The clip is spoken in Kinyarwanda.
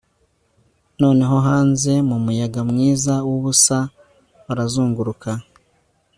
noneho hanze mumuyaga mwiza wubusa barazunguruka